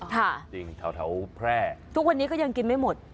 จริงแถวแพร่ทุกวันนี้ก็ยังกินไม่หมด